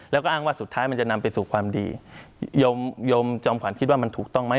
แล้วก็อ้างว่าสุดท้ายมันจะนำไปสู่ความดียมยมจอมขวัญคิดว่ามันถูกต้องไหม